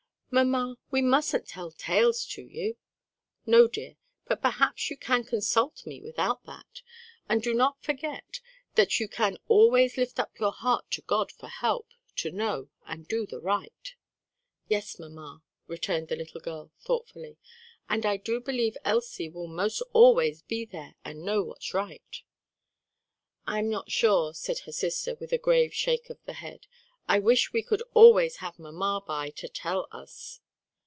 "Mamma, we mustn't tell tales to you?" "No, dear; but perhaps you can consult me without that; and do not forget that you can always lift up your heart to God for help to know and do the right." "Yes, mamma," returned the little girl thoughtfully, "and I do believe Elsie will 'most always be there and know what's right." "I'm not sure," said her sister, with a grave shake of the head, "I wish we could always have mamma by to tell us."